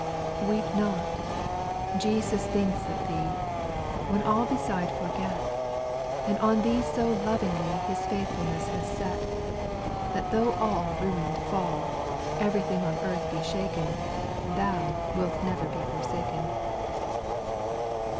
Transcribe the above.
Weep not, — Jesus thinks of tbee^ When all beside forget, And on thee so lovingly His faithfulness has set, That tho' all Ruined fall, Everything on earth be shaken, Thou wilt never be forsaken.